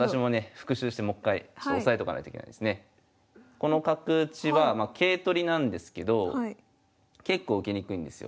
この角打ちは桂取りなんですけど結構受けにくいんですよ。